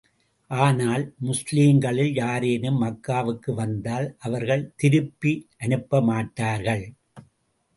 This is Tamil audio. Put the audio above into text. ஆனால், முஸ்லிம்களில் யாரேனும் மக்காவுக்கு வந்தால், அவர்கள் திருப்பி அனுப்பப்பட மாட்டார்கள்.